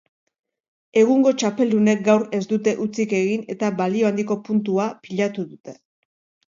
Egungo txapeldunek gaur ez dute hutsik egin eta balio handiko puntua pilatu dute.